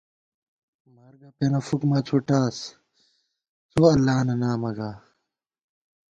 مرگہ پېنہ فُک مہ څُھٹاس ، څو اللہ نہ نامہ گا